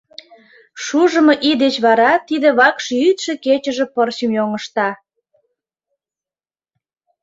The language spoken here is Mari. Шужымо ий деч вара тиде вакш йӱдшӧ-кечыже пырчым йоҥыжта.